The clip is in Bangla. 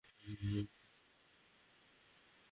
রক্তচাপ কমে যাচ্ছে।